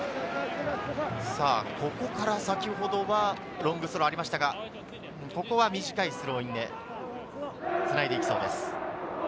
ここから、先ほどはロングスローありましたが、ここは短いスローインでつないで行きそうです。